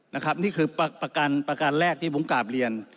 นี่คือประการแรกที่ผมกราบเรียน